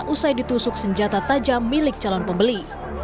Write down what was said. usai ditusuk senjata tajam milik calon pembeli